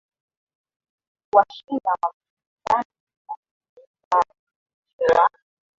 kuwashinda Wabizanti lakini baada ya uhamisho wa